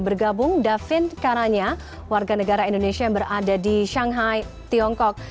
bergabung davin kanannya warga negara indonesia yang berada di shanghai tiongkok